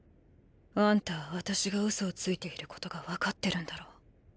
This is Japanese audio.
あんたは私が嘘をついていることがわかってるんだろ。